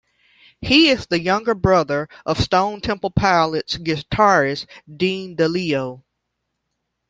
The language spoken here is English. He is the younger brother of Stone Temple Pilots guitarist Dean DeLeo.